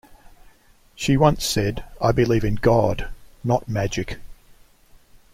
She once said, I believe in God, not magic.